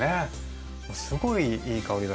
すごいいい香りがします。